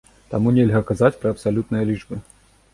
Таму нельга казаць пра абсалютныя лічбы.